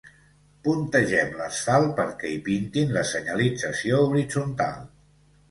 Puntegem l'asfalt perquè hi pintin la senyalització horitzontal.